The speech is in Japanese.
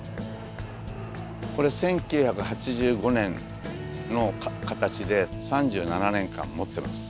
これ１９８５年の形で３７年間もってます